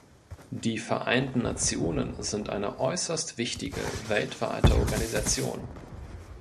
Die Vereinten Nationen sind eine äußerst wichtige weltweite Organisation.